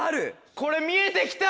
これ見えて来た！